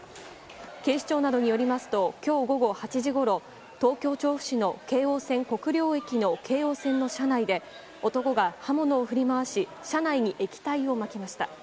警視庁などによりますと、きょう午後８時ごろ、東京・調布市の京王線国領駅の京王線の車内で、男が刃物を振り回し、車内に液体をまきました。